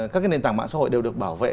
các cái nền tảng mạng xã hội đều được bảo vệ